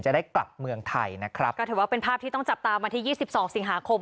จะได้กลับเมืองไทยนะครับก็ถือว่าเป็นภาพที่ต้องจับตามวันที่ยี่สิบสองสิงหาคม